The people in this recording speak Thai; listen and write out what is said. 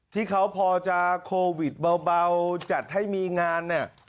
ที่เขาพอจะโควิดเบาจัดให้มีงานเนี่ย